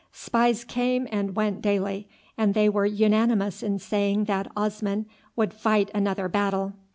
Spies came and went daily, and they were unanimous in saying that Osman would fight another battle.